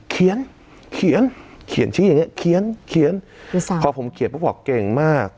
เขียนเขียนเขียนชี้อย่างเงี้ยเขียนเขียนหรือสั่งพอผมเขียนเขาบอกเก่งมาก